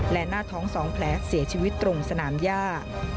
และหน้าท้อง๒แผลเสียชีวิตตรงสนามย่า